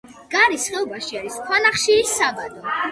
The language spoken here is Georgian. გარის ხეობაში არის ქვანახშირის საბადო.